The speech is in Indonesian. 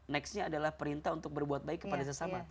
next nya adalah perintah untuk berbuat baik kepada sesama